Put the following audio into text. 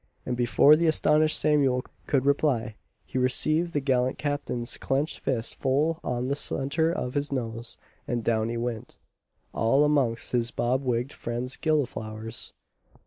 and before the astonished Samuel could reply, he received the gallant Captain's clenched fist full on the centre of his nose, and down he went all amongst his bob wigg'd friend's gilliflowers!